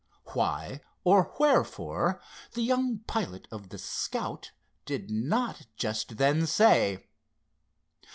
Why, or wherefore, the young pilot of the Scout did not just then say.